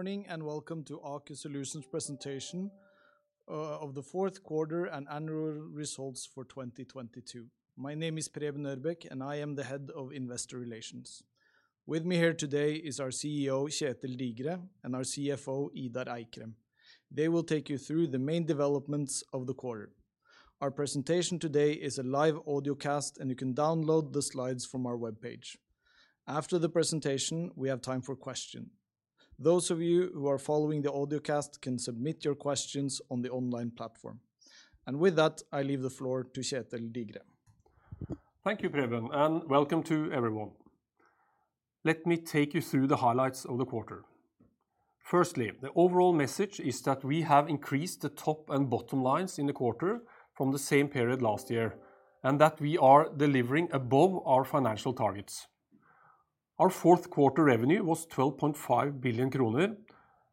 Morning, welcome to Aker Solutions presentation of the fourth quarter and annual results for 2022. My name is Preben Ørbeck, I am the Head of Investor Relations. With me here today is our CEO, Kjetel Digre, our CFO, Idar Eikrem. They will take you through the main developments of the quarter. Our presentation today is a live audio cast, you can download the slides from our webpage. After the presentation, we have time for question. Those of you who are following the audio cast can submit your questions on the online platform. With that, I leave the floor to Kjetel Digre. Thank you, Preben, and welcome to everyone. Let me take you through the highlights of the quarter. Firstly, the overall message is that we have increased the top and bottom lines in the quarter from the same period last year, and that we are delivering above our financial targets. Our fourth quarter revenue was 12.5 billion kroner,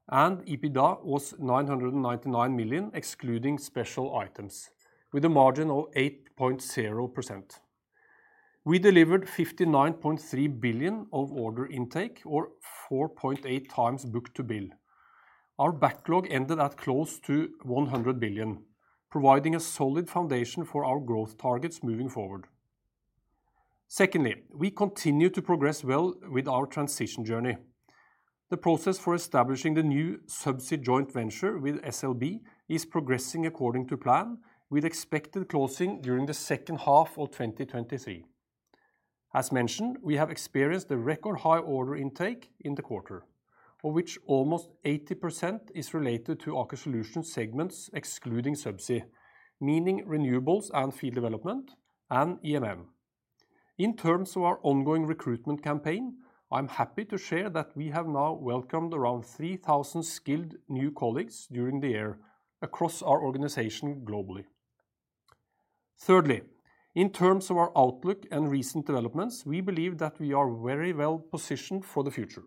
and EBITDA was 999 million, excluding special items, with a margin of 8.0%. We delivered 59.3 billion of order intake or 4.8x book-to-bill. Our backlog ended at close to 100 billion, providing a solid foundation for our growth targets moving forward. Secondly, we continue to progress well with our transition journey. The process for establishing the new Subsea Joint Venture with SLB is progressing according to plan, with expected closing during the second half of 2023. As mentioned, we have experienced a record high order intake in the quarter, of which almost 80% is related to Aker Solutions segments excluding Subsea, meaning renewables and field development, and EMM. In terms of our ongoing recruitment campaign, I'm happy to share that we have now welcomed around 3,000 skilled new colleagues during the year across our organization globally. Thirdly, in terms of our outlook and recent developments, we believe that we are very well positioned for the future.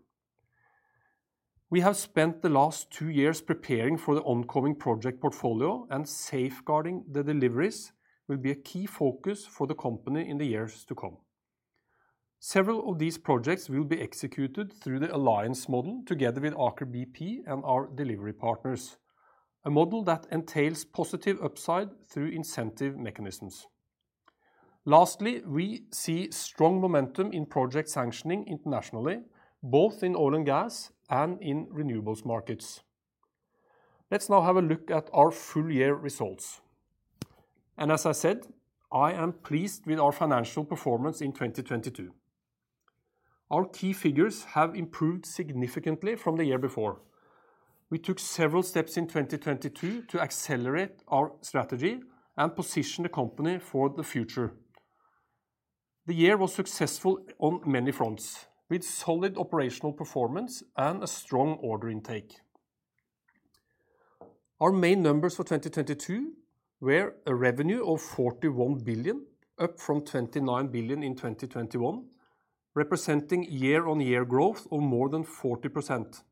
We have spent the last two years preparing for the oncoming project portfolio and safeguarding the deliveries will be a key focus for the company in the years to come. Several of these projects will be executed through the alliance model together with Aker BP and our delivery partners, a model that entails positive upside through incentive mechanisms. Lastly, we see strong momentum in project sanctioning internationally, both in oil and gas and in renewables markets. Let's now have a look at our full year results. As I said, I am pleased with our financial performance in 2022. Our key figures have improved significantly from the year before. We took several steps in 2022 to accelerate our strategy and position the company for the future. The year was successful on many fronts, with solid operational performance and a strong order intake. Our main numbers for 2022 were a revenue of 41 billion, up from 29 billion in 2021, representing year-on-year growth of more than 40%.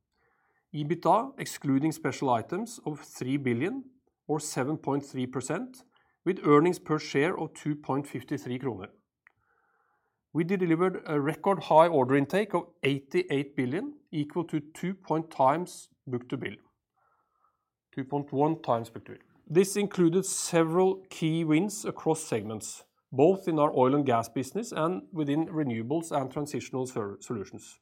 EBITDA, excluding special items, of 3 billion or 7.3%, with earnings per share of 2.53 kroner. We delivered a record high order intake of 88 billion, equal to 2.1x book-to-bill. This included several key wins across segments, both in our oil and gas business and within renewables and transitional solutions.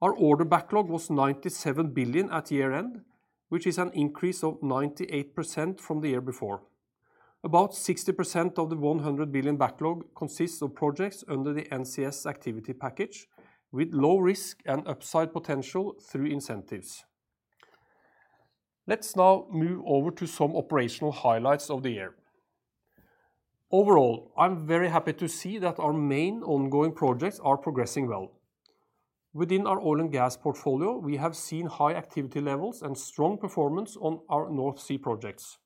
Our order backlog was 97 billion at year-end, which is an increase of 98% from the year before. About 60% of the 100 billion backlog consists of projects under the NCS activity package with low risk and upside potential through incentives. Let's now move over to some operational highlights of the year. Overall, I'm very happy to see that our main ongoing projects are progressing well. Within our oil and gas portfolio, we have seen high activity levels and strong performance on our North Sea projects.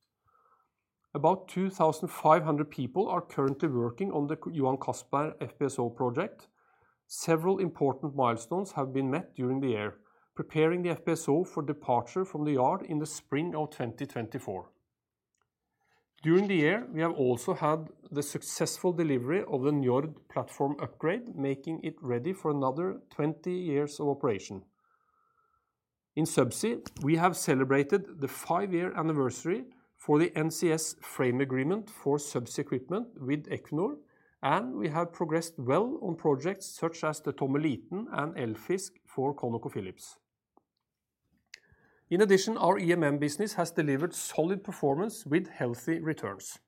About 2,500 people are currently working on the Johan Castberg FPSO project. Several important milestones have been met during the year, preparing the FPSO for departure from the yard in the spring of 2024. During the year, we have also had the successful delivery of the Njord platform upgrade, making it ready for another 20 years of operation. In Subsea, we have celebrated the five-year anniversary for the NCS frame agreement for Subsea equipment with Equinor. We have progressed well on projects such as the Tommeliten and Eldfisk for ConocoPhillips. In addition, our EMM business has delivered solid performance with healthy returns.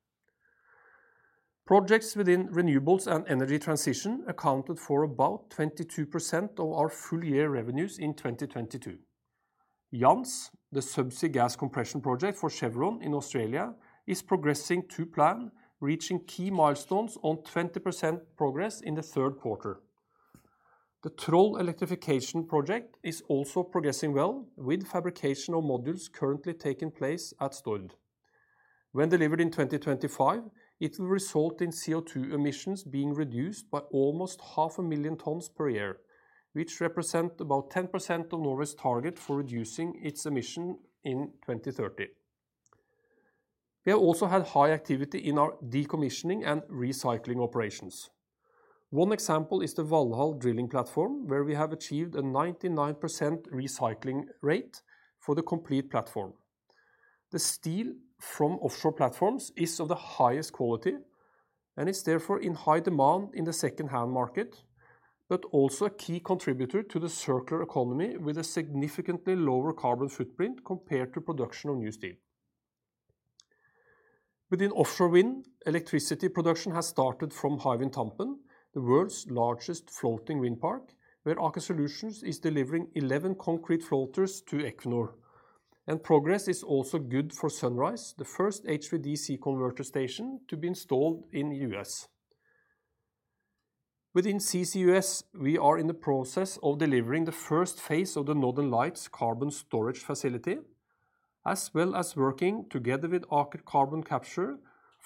Projects within renewables and energy transition accounted for about 22% of our full year revenues in 2022. Jansz, the Subsea gas compression project for Chevron in Australia, is progressing to plan, reaching key milestones on 20% progress in the third quarter. The Troll electrification project is also progressing well, with fabrication of modules currently taking place at Stord. When delivered in 2025, it will result in CO2 emissions being reduced by almost half a million tons per year, which represent about 10% of Norway's target for reducing its emission in 2030. We have also had high activity in our decommissioning and recycling operations. One example is the Valhall drilling platform, where we have achieved a 99% recycling rate for the complete platform. The steel from offshore platforms is of the highest quality, and is therefore in high demand in the second-hand market, but also a key contributor to the circular economy with a significantly lower carbon footprint compared to production of new steel. Within offshore wind, electricity production has started from Hywind Tampen, the world's largest floating wind park, where Aker Solutions is delivering 11 concrete floaters to Equinor. Progress is also good for Sunrise, the first HVDC converter station to be installed in the U.S. Within CCUS, we are in the process of delivering the first phase of the Northern Lights carbon storage facility, as well as working together with Aker Carbon Capture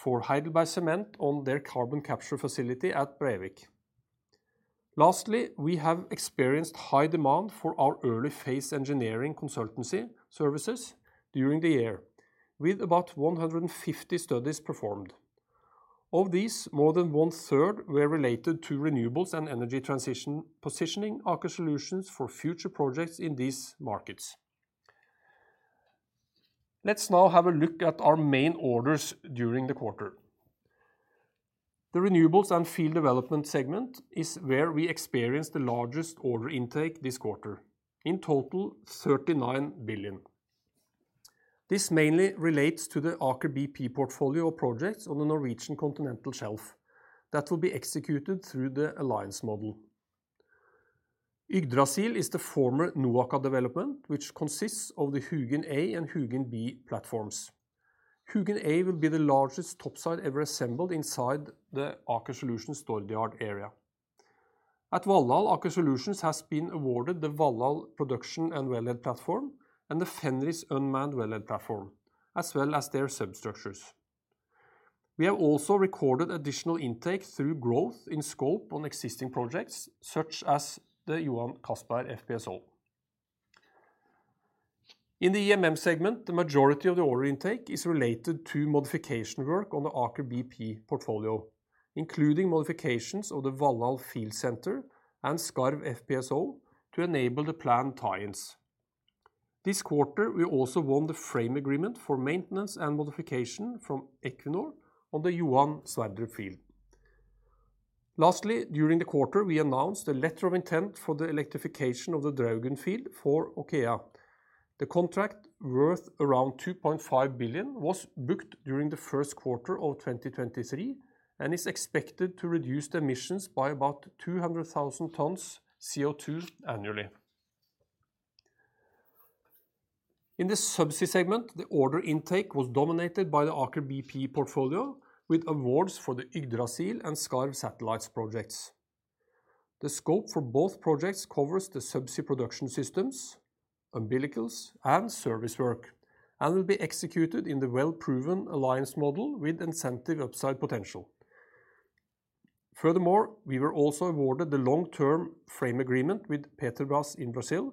for Heidelberg Materials on their carbon capture facility at Brevik. Lastly, we have experienced high demand for our early phase engineering consultancy services during the year, with about 150 studies performed. Of these, more than one-third were related to renewables and energy transition, positioning Aker Solutions for future projects in these markets. Let's now have a look at our main orders during the quarter. The renewables and field development segment is where we experienced the largest order intake this quarter, in total 39 billion. This mainly relates to the Aker BP portfolio of projects on the Norwegian continental shelf that will be executed through the alliance model. Yggdrasil is the former NOAKA development, which consists of the Hugin A and Hugin B platforms. Hugin A will be the largest topside ever assembled inside the Aker Solutions Stord Yard area. At Valhall, Aker Solutions has been awarded the Valhall production and wellhead platform and the Fenris unmanned wellhead platform, as well as their substructures. We have also recorded additional intake through growth in scope on existing projects, such as the Johan Castberg FPSO. In the EMM segment, the majority of the order intake is related to modification work on the Aker BP portfolio, including modifications of the Valhall field center and Skarv FPSO to enable the planned tie-ins. This quarter, we also won the frame agreement for maintenance and modification from Equinor on the Johan Sverdrup field. Lastly, during the quarter, we announced a letter of intent for the electrification of the Draugen field for OKEA. The contract, worth around 2.5 billion, was booked during the first quarter of 2023, and is expected to reduce the emissions by about 200,000 tons CO2 annually. In the subsea segment, the order intake was dominated by the Aker BP portfolio with awards for the Yggdrasil and Skarv satellites projects. The scope for both projects covers the subsea production systems, umbilicals, and service work, and will be executed in the well-proven alliance model with incentive upside potential. Furthermore, we were also awarded the long-term frame agreement with Petrobras in Brazil,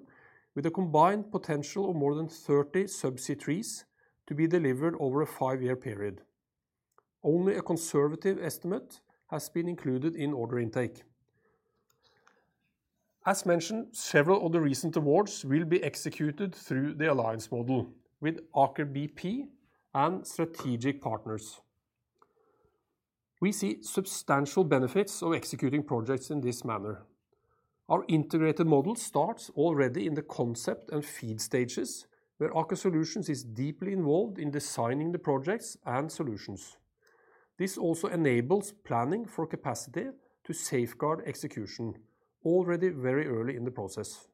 with a combined potential of more than 30 subsea trees to be delivered over a five-year period. Only a conservative estimate has been included in order intake. As mentioned, several of the recent awards will be executed through the alliance model with Aker BP and strategic partners. We see substantial benefits of executing projects in this manner. Our integrated model starts already in the concept and feed stages, where Aker Solutions is deeply involved in designing the projects and solutions. This also enables planning for capacity to safeguard execution already very early in the process.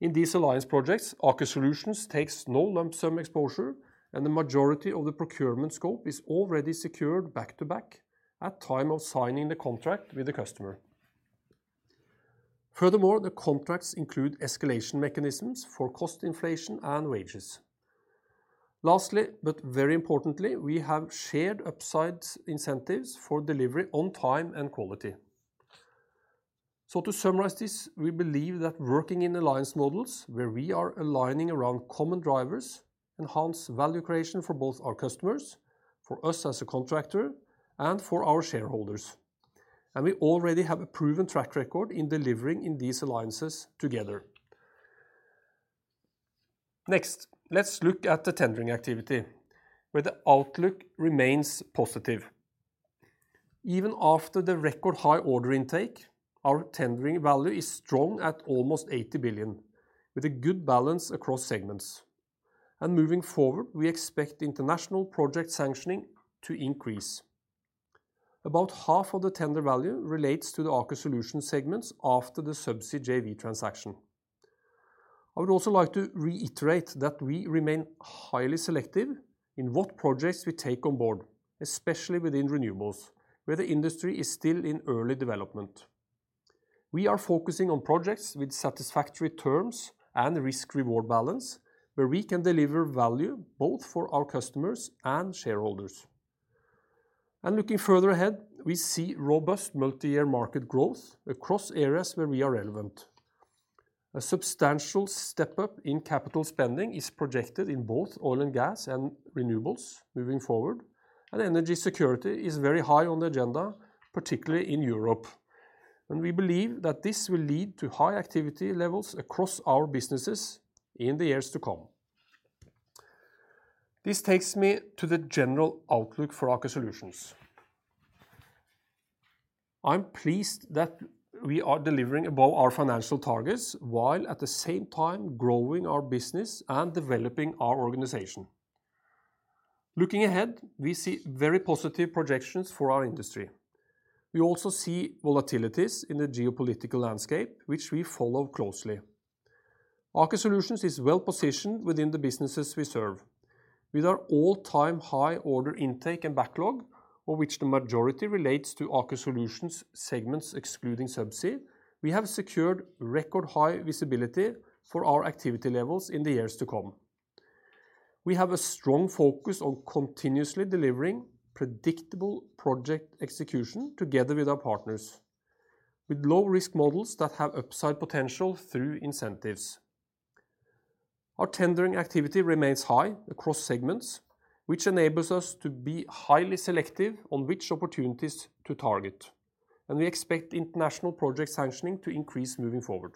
In these alliance projects, Aker Solutions takes no lump sum exposure and the majority of the procurement scope is already secured back-to-back at time of signing the contract with the customer. Furthermore, the contracts include escalation mechanisms for cost inflation and wages. Lastly, but very importantly, we have shared upside incentives for delivery on time and quality. To summarize this, we believe that working in alliance models where we are aligning around common drivers enhance value creation for both our customers, for us as a contractor, and for our shareholders, and we already have a proven track record in delivering in these alliances together. Next, let's look at the tendering activity, where the outlook remains positive. Even after the record high order intake, our tendering value is strong at almost 80 billion, with a good balance across segments. Moving forward, we expect international project sanctioning to increase. About half of the tender value relates to the Aker Solutions segments after the Subsea JV transaction. I would also like to reiterate that we remain highly selective in what projects we take on board, especially within renewables, where the industry is still in early development. We are focusing on projects with satisfactory terms and risk-reward balance, where we can deliver value both for our customers and shareholders. Looking further ahead, we see robust multi-year market growth across areas where we are relevant. A substantial step up in capital spending is projected in both oil and gas and renewables moving forward, and energy security is very high on the agenda, particularly in Europe. We believe that this will lead to high activity levels across our businesses in the years to come. This takes me to the general outlook for Aker Solutions. I'm pleased that we are delivering above our financial targets, while at the same time growing our business and developing our organization. Looking ahead, we see very positive projections for our industry. We also see volatilities in the geopolitical landscape, which we follow closely. Aker Solutions is well-positioned within the businesses we serve. With our all-time high order intake and backlog, of which the majority relates to Aker Solutions segments excluding Subsea, we have secured record high visibility for our activity levels in the years to come. We have a strong focus on continuously delivering predictable project execution together with our partners, with low-risk models that have upside potential through incentives. Our tendering activity remains high across segments, which enables us to be highly selective on which opportunities to target, and we expect international project sanctioning to increase moving forward.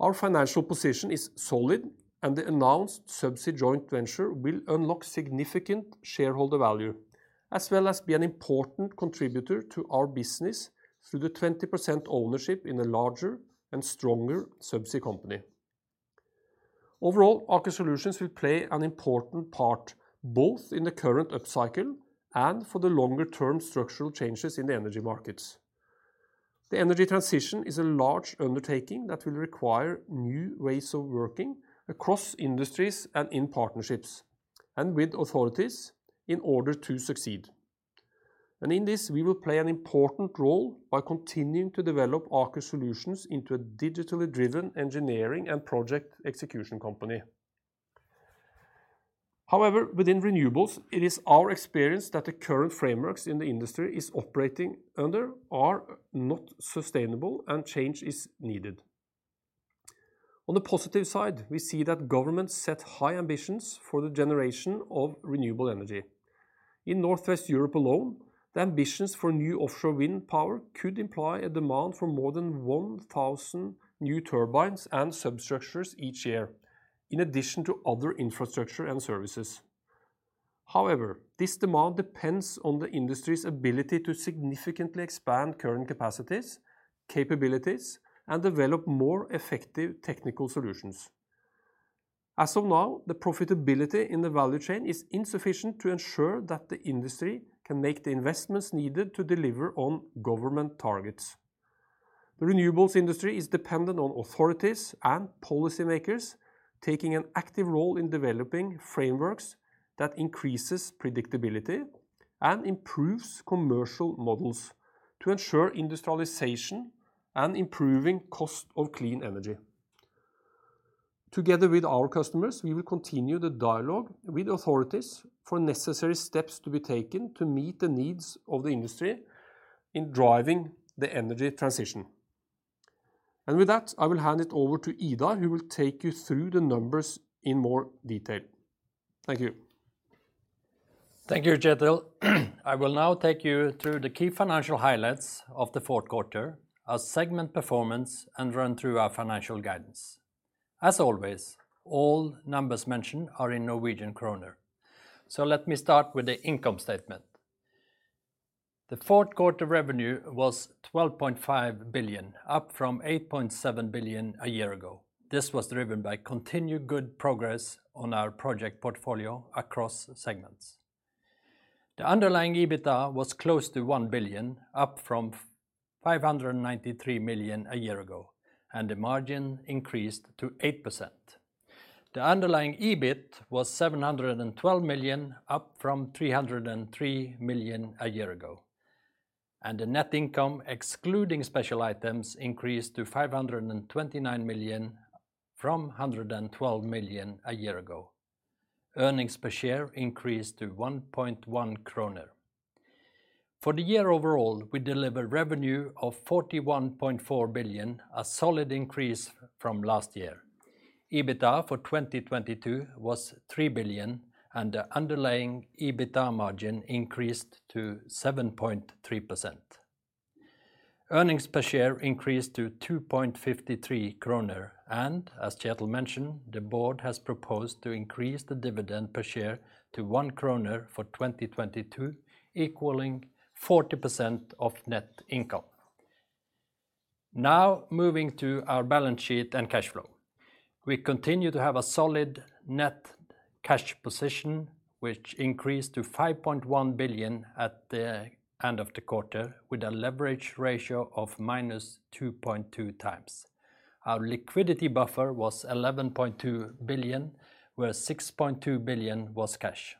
Our financial position is solid, and the announced Subsea joint venture will unlock significant shareholder value, as well as be an important contributor to our business through the 20% ownership in a larger and stronger Subsea company. Overall, Aker Solutions will play an important part both in the current upcycle and for the longer-term structural changes in the energy markets. The energy transition is a large undertaking that will require new ways of working across industries and in partnerships and with authorities in order to succeed. In this, we will play an important role by continuing to develop Aker Solutions into a digitally driven engineering and project execution company. However, within renewables, it is our experience that the current frameworks in the industry is operating under are not sustainable and change is needed. On the positive side, we see that governments set high ambitions for the generation of renewable energy. In Northwest Europe alone, the ambitions for new offshore wind power could imply a demand for more than 1,000 new turbines and substructures each year, in addition to other infrastructure and services. However, this demand depends on the industry's ability to significantly expand current capacities, capabilities, and develop more effective technical solutions. As of now, the profitability in the value chain is insufficient to ensure that the industry can make the investments needed to deliver on government targets. The renewables industry is dependent on authorities and policymakers taking an active role in developing frameworks that increases predictability and improves commercial models to ensure industrialization and improving cost of clean energy. Together with our customers, we will continue the dialogue with authorities for necessary steps to be taken to meet the needs of the industry in driving the energy transition. With that, I will hand it over to Ida, who will take you through the numbers in more detail. Thank you. Thank you, Kjetel. I will now take you through the key financial highlights of the fourth quarter, our segment performance, and run through our financial guidance. As always, all numbers mentioned are in Norwegian kroner. Let me start with the income statement. The fourth quarter revenue was 12.5 billion, up from 8.7 billion a year ago. This was driven by continued good progress on our project portfolio across segments. The underlying EBITDA was close to 1 billion, up from 593 million a year ago, and the margin increased to 8%. The underlying EBIT was 712 million, up from 303 million a year ago, and the net income excluding special items increased to 529 million from 112 million a year ago. Earnings per share increased to 1.1 kroner. For the year overall, we delivered revenue of 41.4 billion, a solid increase from last year. EBITDA for 2022 was 3 billion, and the underlying EBITDA margin increased to 7.3%. Earnings per share increased to 2.53 kroner, As Kjetil mentioned, the board has proposed to increase the dividend per share to 1 kroner for 2022, equaling 40% of net income. Now moving to our balance sheet and cash flow. We continue to have a solid net cash position, which increased to 5.1 billion at the end of the quarter, with a leverage ratio of -2.2x. Our liquidity buffer was 11.2 billion, where 6.2 billion was cash.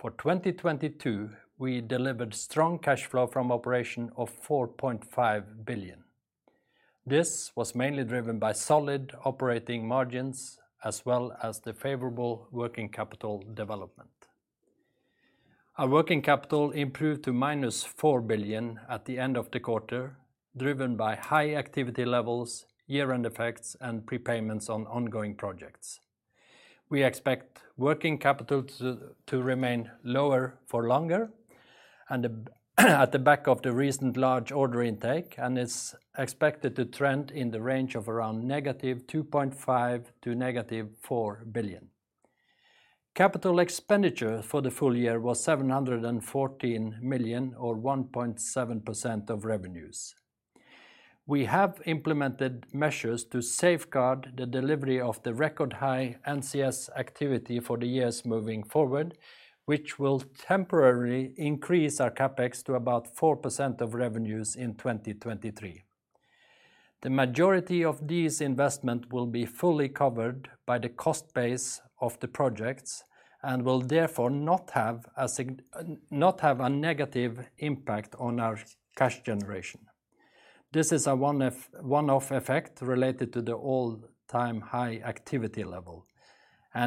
For 2022, we delivered strong cash flow from operation of 4.5 billion. This was mainly driven by solid operating margins, as well as the favorable working capital development. Our working capital improved to negative 4 billion at the end of the quarter, driven by high activity levels, year-end effects, and prepayments on ongoing projects. We expect working capital to remain lower for longer and at the back of the recent large order intake, and is expected to trend in the range of around -2.5 billion - -4 billion. CapEx for the full year was 714 million, or 1.7% of revenues. We have implemented measures to safeguard the delivery of the record high NCS activity for the years moving forward, which will temporarily increase our CapEx to about 4% of revenues in 2023. The majority of these investment will be fully covered by the cost base of the projects, Therefore will not have a negative impact on our cash generation. This is a one-off effect related to the all-time high activity level.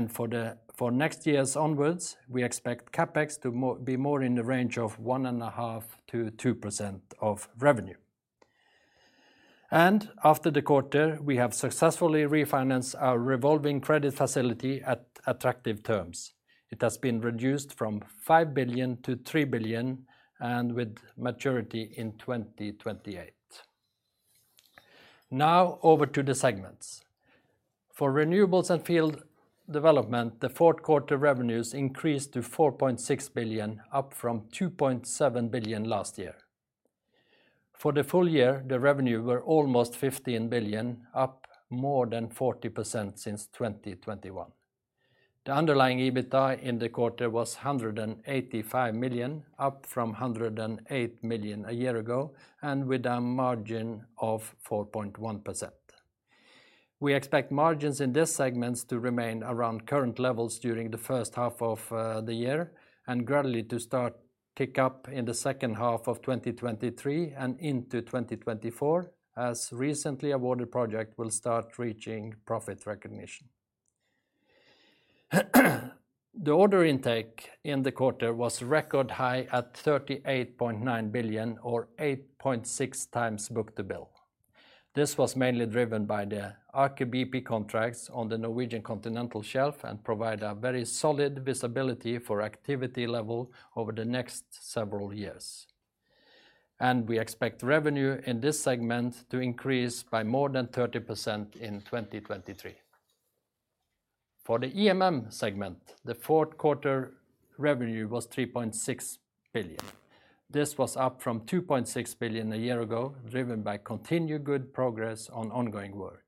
For the next years onwards, we expect CapEx to be more in the range of 1.5%-2% of revenue. After the quarter, we have successfully refinanced our revolving credit facility at attractive terms. It has been reduced from 5 billion to 3 billion and with maturity in 2028. Now over to the segments. For renewables and field development, the fourth quarter revenues increased to 4.6 billion, up from 2.7 billion last year. For the full year, the revenue were almost 15 billion, up more than 40% since 2021. The underlying EBITDA in the quarter was 185 million, up from 108 million a year ago, with a margin of 4.1%. We expect margins in this segments to remain around current levels during the first half of the year, gradually to start tick up in the second half of 2023 and into 2024, as recently awarded project will start reaching profit recognition. The order intake in the quarter was record high at 38.9 billion or 8.6x book-to-bill. This was mainly driven by the Aker BP contracts on the Norwegian Continental Shelf and provide a very solid visibility for activity level over the next several years. We expect revenue in this segment to increase by more than 30% in 2023. For the EMM segment, the fourth quarter revenue was 3.6 billion. This was up from 2.6 billion a year ago, driven by continued good progress on ongoing work.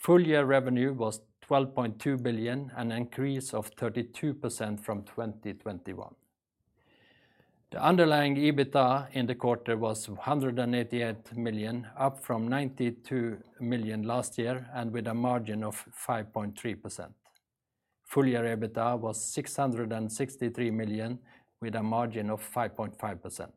Full year revenue was 12.2 billion, an increase of 32% from 2021. The underlying EBITDA in the quarter was 188 million, up from 92 million last year, and with a margin of 5.3%. Full year EBITDA was 663 million with a margin of 5.5%.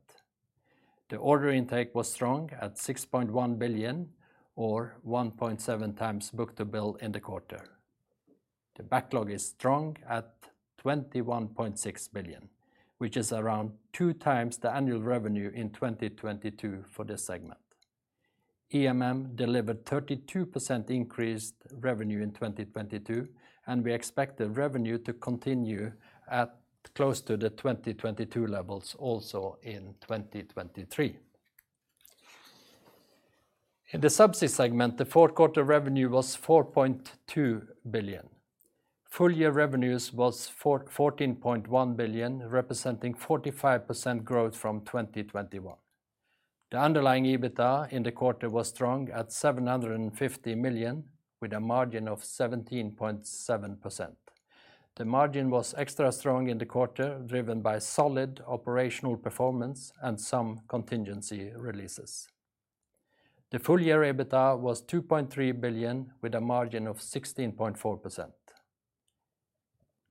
The order intake was strong at 6.1 billion or 1.7x book-to-bill in the quarter. The backlog is strong at 21.6 billion, which is around 2x the annual revenue in 2022 for this segment. EMM delivered 32% increased revenue in 2022, and we expect the revenue to continue at close to the 2022 levels also in 2023. In the Subsea segment, the fourth quarter revenue was 4.2 billion. Full year revenues was 14.1 billion, representing 45% growth from 2021. The underlying EBITDA in the quarter was strong at 750 million with a margin of 17.7%. The margin was extra strong in the quarter, driven by solid operational performance and some contingency releases. The full year EBITDA was 2.3 billion with a margin of 16.4%.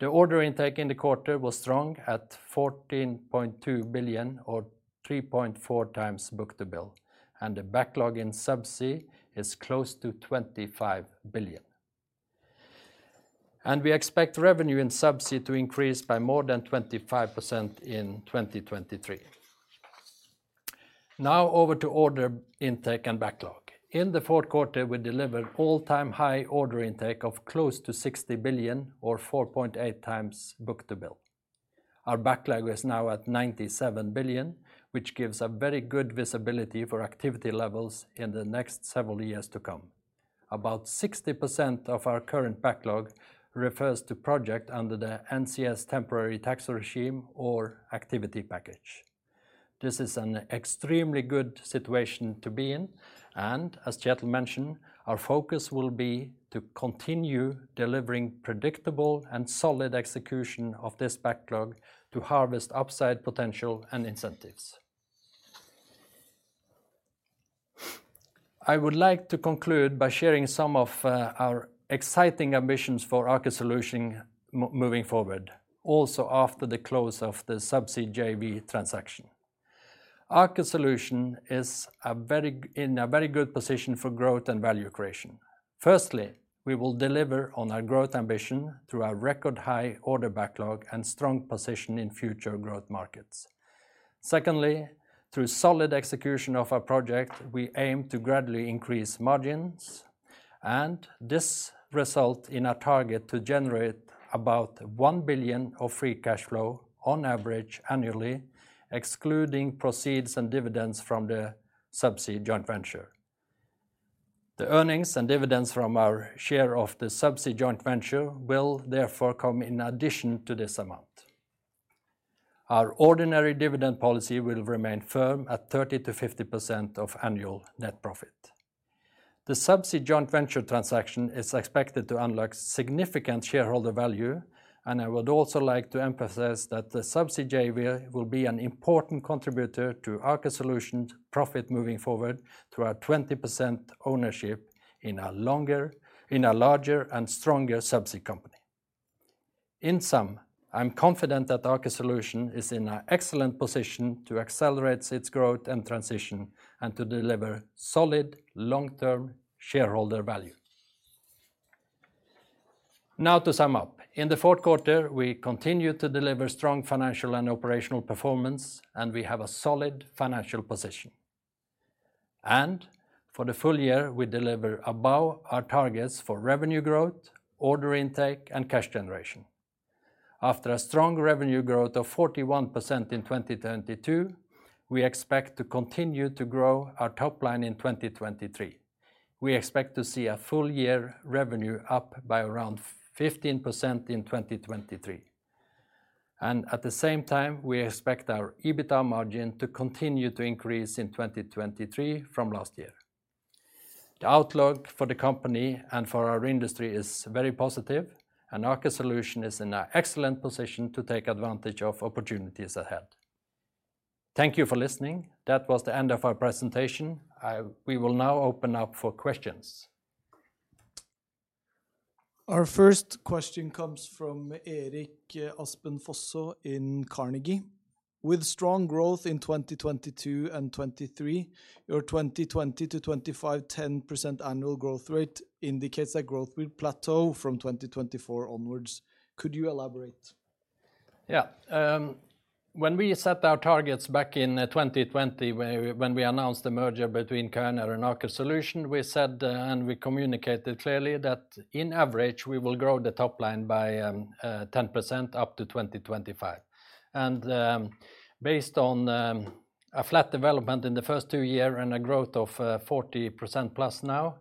The order intake in the quarter was strong at 14.2 billion or 3.4x book-to-bill. The backlog in Subsea is close to 25 billion. We expect revenue in Subsea to increase by more than 25% in 2023. Now over to order intake and backlog. In the fourth quarter, we delivered all-time high order intake of close to 60 billion or 4.8x book-to-bill. Our backlog is now at 97 billion, which gives a very good visibility for activity levels in the next several years to come. About 60% of our current backlog refers to project under the NCS temporary tax regime or activity package. This is an extremely good situation to be in. As Kjetel mentioned, our focus will be to continue delivering predictable and solid execution of this backlog to harvest upside potential and incentives. I would like to conclude by sharing some of our exciting ambitions for Aker Solutions moving forward, also after the close of the Subsea JV transaction. Aker Solutions is in a very good position for growth and value creation. Firstly, we will deliver on our growth ambition through our record high order backlog and strong position in future growth markets. Secondly, through solid execution of our project, we aim to gradually increase margins. This result in our target to generate about 1 billion of free cash flow on average annually, excluding proceeds and dividends from the Subsea joint venture. The earnings and dividends from our share of the Subsea joint venture will therefore come in addition to this amount. Our ordinary dividend policy will remain firm at 30%-50% of annual net profit. The Subsea joint venture transaction is expected to unlock significant shareholder value. I would also like to emphasize that the Subsea JV will be an important contributor to Aker Solutions' profit moving forward through our 20% ownership in a larger and stronger Subsea company. In sum, I'm confident that Aker Solutions is in an excellent position to accelerate its growth and transition and to deliver solid long-term shareholder value. To sum up. In the fourth quarter, we continued to deliver strong financial and operational performance. We have a solid financial position. For the full year, we deliver above our targets for revenue growth, order intake, and cash generation. After a strong revenue growth of 41% in 2022, we expect to continue to grow our top line in 2023. We expect to see a full year revenue up by around 15% in 2023. At the same time, we expect our EBITA margin to continue to increase in 2023 from last year. The outlook for the company and for our industry is very positive. Aker Solutions is in an excellent position to take advantage of opportunities ahead. Thank you for listening. That was the end of our presentation. We will now open up for questions. Our first question comes from Erik Aspen Fosså in Carnegie. With strong growth in 2022 and 2023, your 20%-25% annual growth rate indicates that growth will plateau from 2024 onwards. Could you elaborate? Yeah. when we set our targets back in 2020 when we announced the merger between Kværner and Aker Solutions, we said, and we communicated clearly that in average, we will grow the top line by 10% up to 2025. Based on a flat development in the first two year and a growth of 40%+ now,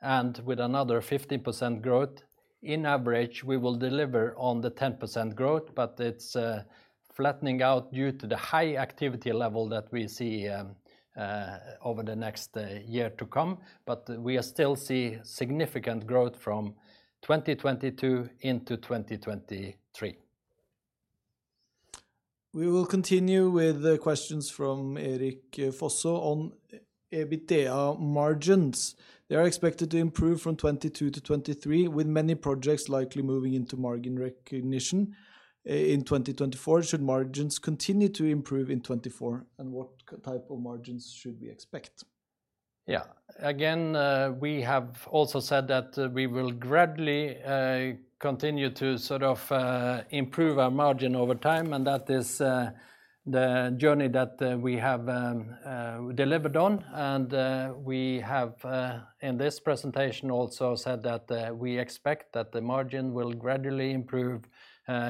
and with another 15% growth, in average, we will deliver on the 10% growth, but it's flattening out due to the high activity level that we see over the next year to come. We are still see significant growth from 2022 into 2023. We will continue with the questions from Erik Fosså on EBITDA margins. They are expected to improve from 2022 to 2023, with many projects likely moving into margin recognition. In 2024, should margins continue to improve in 2024? What type of margins should we expect? Yeah. Again, we have also said that we will gradually continue to sort of improve our margin over time, and that is the journey that we have delivered on. We have in this presentation also said that we expect that the margin will gradually improve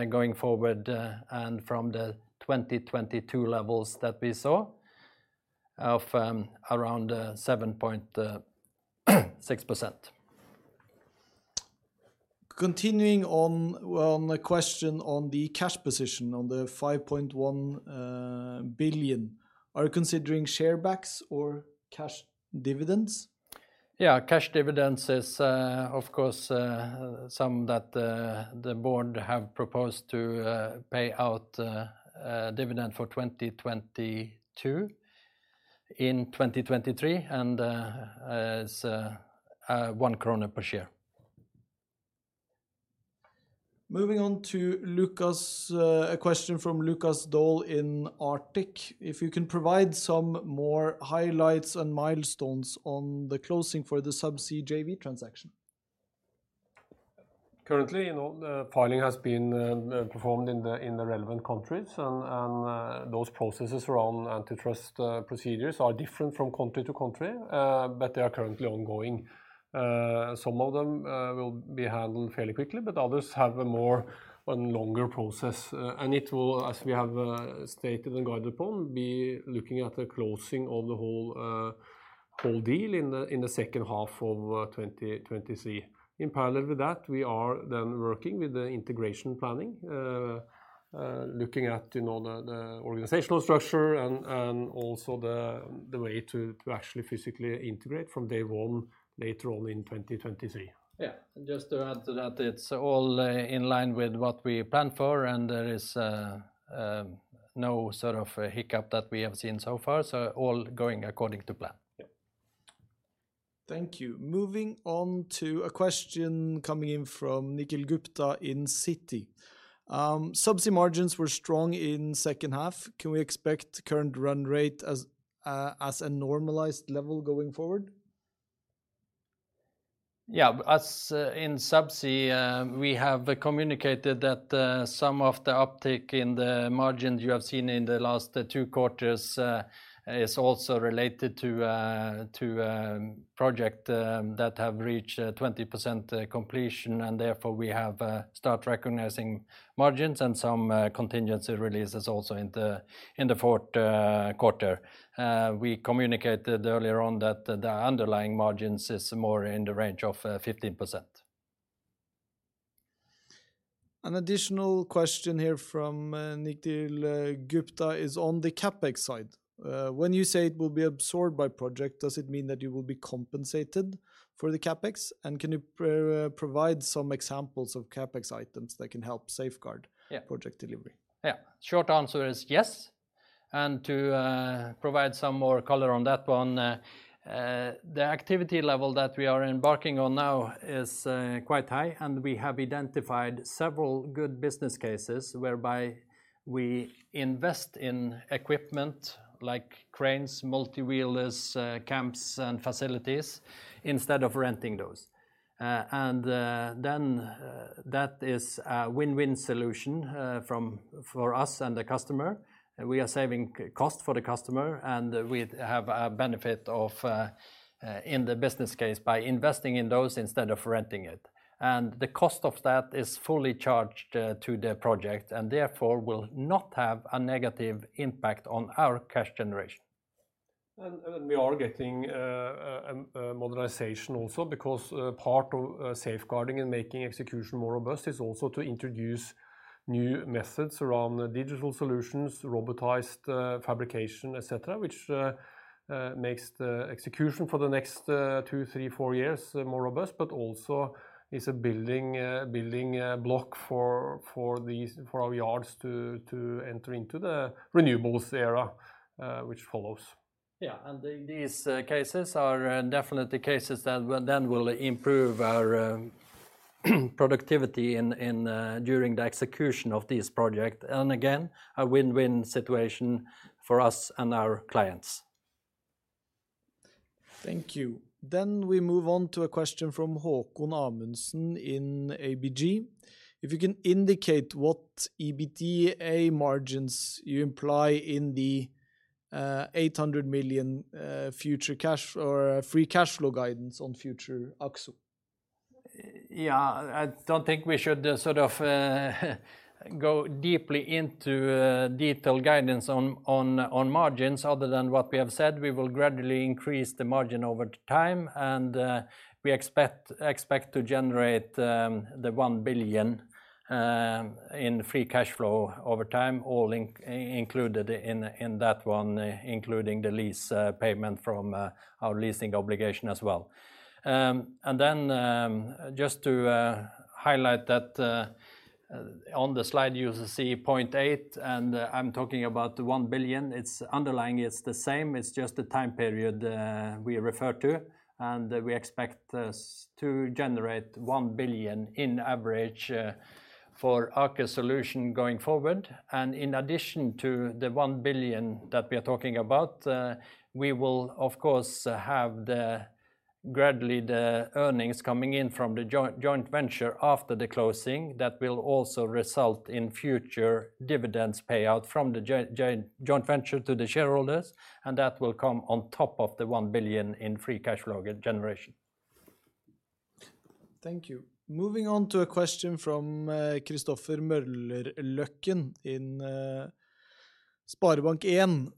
going forward, and from the 2022 levels that we saw of around 7.6%. Continuing on the question on the cash position, on the 5.1 billion, are you considering share backs or cash dividends? Yeah, cash dividends is, of course, some that the board have proposed to pay out dividend for 2022 in 2023, and as NOK 1 per share. Moving on to Lukas, a question from Lukas Daul in Arctic Securities. If you can provide some more highlights and milestones on the closing for the Subsea JV transaction. Currently, you know, the filing has been performed in the relevant countries and those processes around antitrust procedures are different from country to country, but they are currently ongoing. Some of them will be handled fairly quickly, but others have a more and longer process. It will, as we have stated and guided upon, be looking at the closing of the whole deal in the second half of 2023. In parallel with that, we are then working with the integration planning, looking at, you know, the organizational structure and also the way to actually physically integrate from day one later on in 2023. Yeah. Just to add to that, it's all in line with what we planned for, and there is no sort of hiccup that we have seen so far. All going according to plan. Yeah. Thank you. Moving on to a question coming in from Nikhil Gupta in Citi. Subsea margins were strong in second half. Can we expect current run rate as a normalized level going forward? Yeah. As in Subsea, we have communicated that some of the uptick in the margins you have seen in the last two quarters is also related to project that have reached 20% completion, and therefore we have start recognizing margins and some contingency releases also in the fourth quarter. We communicated earlier on that the underlying margins is more in the range of 15%. An additional question here from Nikhil Gupta is on the CapEx side. When you say it will be absorbed by project, does it mean that you will be compensated for the CapEx? Can you provide some examples of CapEx items that can help safeguard? Yeah Project delivery? Yeah. Short answer is yes. To provide some more color on that one, the activity level that we are embarking on now is quite high, and we have identified several good business cases whereby we invest in equipment like cranes, multi-wheelers, camps and facilities instead of renting those. That is a win-win solution for us and the customer. We are saving cost for the customer, and we have a benefit of in the business case by investing in those instead of renting it. The cost of that is fully charged to the project and therefore will not have a negative impact on our cash generation. We are getting modernization also because part of safeguarding and making execution more robust is also to introduce new methods around digital solutions, robotized fabrication, et cetera, which makes the execution for the next two, three, four years more robust, but also is a building block for our yards to enter into the renewables era, which follows. Yeah. These cases are definitely cases that we then will improve our productivity in during the execution of this project. Again, a win-win situation for us and our clients. Thank you. We move on to a question from Haakon Amundsen in ABG. If you can indicate what EBITDA margins you imply in the 800 million future cash or free cash flow guidance on future Aker Solutions? Yeah. I don't think we should sort of go deeply into detailed guidance on margins other than what we have said. We will gradually increase the margin over time, and we expect to generate the 1 billion in free cash flow over time, all included in that one, including the lease payment from our leasing obligation as well. Just to highlight that on the slide you see point eight, and I'm talking about the 1 billion. Underlying it's the same. It's just the time period we refer to, and we expect this to generate 1 billion in average for Aker Solutions going forward. In addition to the 1 billion that we are talking about, we will of course have the gradually the earnings coming in from the joint venture after the closing that will also result in future dividends payout from the joint venture to the shareholders, and that will come on top of the 1 billion in free cash flow generation. Thank you. Moving on to a question from Kristoffer Møllerløkken in SpareBank 1.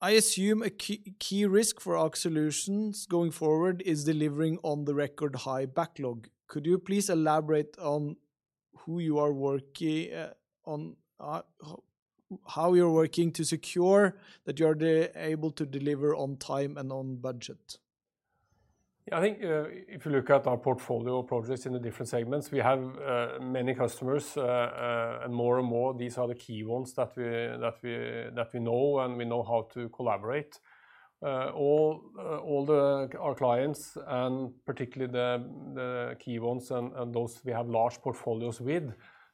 I assume a key risk for Aker Solutions going forward is delivering on the record high backlog. Could you please elaborate on who you are working on how you're working to secure that you are able to deliver on time and on budget? Yeah. I think, if you look at our portfolio of projects in the different segments, we have many customers, and more and more these are the key ones that we know, and we know how to collaborate. All our clients and particularly the key ones and those we have large portfolios with,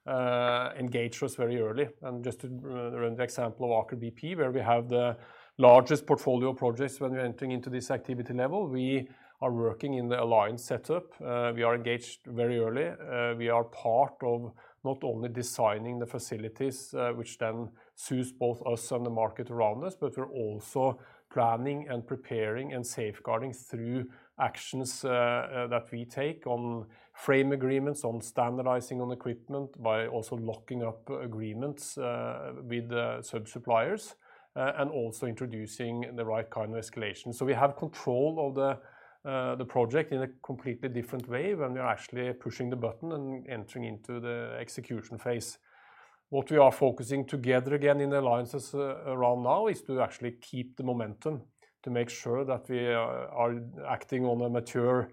engage us very early. Just to run the example of Aker BP, where we have the largest portfolio of projects when we're entering into this activity level. We are working in the alliance setup. We are engaged very early. We are part of not only designing the facilities, which then suits both us and the market around us, but we're also planning and preparing and safeguarding through actions that we take on frame agreements, on standardizing on equipment by also locking up agreements with the sub-suppliers, and also introducing the right kind of escalation. We have control of the project in a completely different way when we are actually pushing the button and entering into the execution phase. What we are focusing together again in the alliances around now is to actually keep the momentum to make sure that we are acting on a mature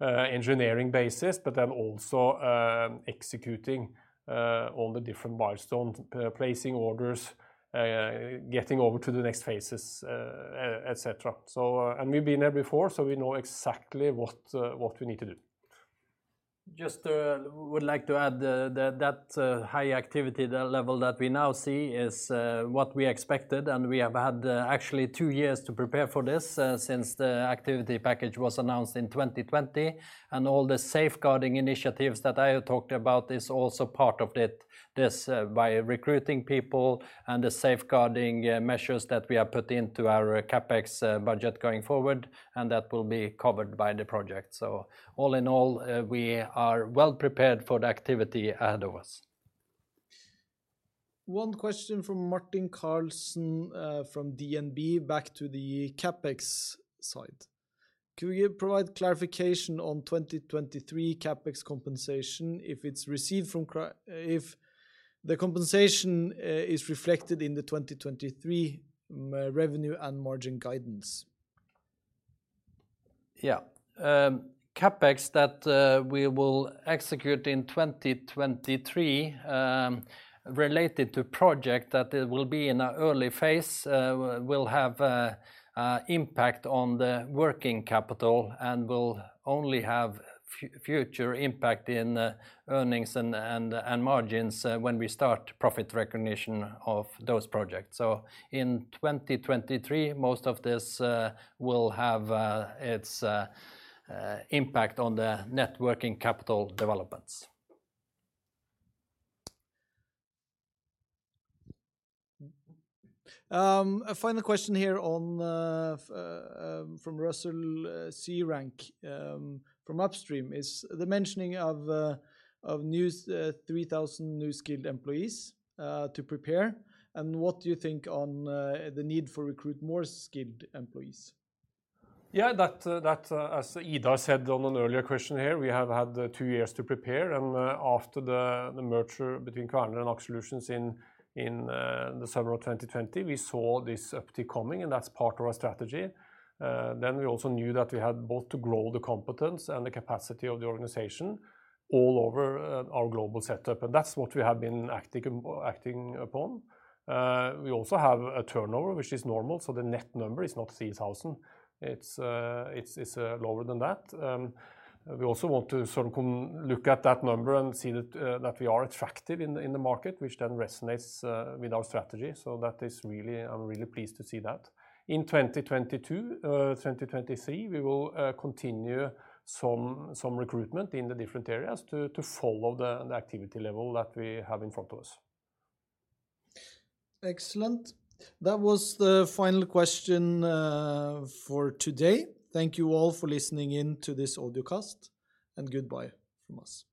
engineering basis, but then also executing all the different milestones, placing orders, getting over to the next phases, et cetera. And we've been there before, so we know exactly what we need to do. Just would like to add that high activity level that we now see is what we expected, and we have had actually two years to prepare for this since the activity package was announced in 2020. All the safeguarding initiatives that I talked about is also part of this, by recruiting people and the safeguarding measures that we have put into our CapEx budget going forward, and that will be covered by the project. All in all, we are well prepared for the activity ahead of us. One question from Martin Karlsen, from DNB, back to the CapEx side. Could you provide clarification on 2023 CapEx compensation if it's received if the compensation is reflected in the 2023 revenue and margin guidance? CapEx that we will execute in 2023, related to project that it will be in an early phase, will have impact on the working capital and will only have future impact in earnings and margins when we start profit recognition of those projects. In 2023, most of this will have its impact on the net working capital developments. A final question here on from Russell Searancke from Upstream, is the mentioning of new 3,000 new skilled employees to prepare, and what do you think on the need for recruit more skilled employees? Yeah, that, as Ida said on an earlier question here, we have had two years to prepare. After the merger between Kværner and Aker Solutions in the summer of 2020, we saw this uptick coming, and that's part of our strategy. Then we also knew that we had both to grow the competence and the capacity of the organization all over our global setup, and that's what we have been acting upon. We also have a turnover, which is normal, so the net number is not 3,000. It's lower than that. We also want to sort of look at that number and see that we are attractive in the market, which then resonates with our strategy. That is really. I'm really pleased to see that. In 2022, 2023, we will continue some recruitment in the different areas to follow the activity level that we have in front of us. Excellent. That was the final question for today. Thank you all for listening in to this audio cast, and goodbye from us.